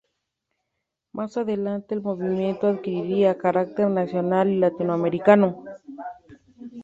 Más adelante el movimiento adquiriría carácter nacional y latinoamericano.